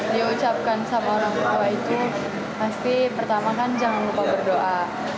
diucapkan sama orang tua itu pasti pertama kan jangan lupa berdoa